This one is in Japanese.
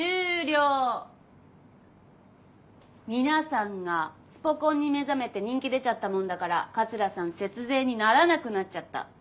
皆さんがスポ根に目覚めて人気出ちゃったもんだから桂さん節税にならなくなっちゃった。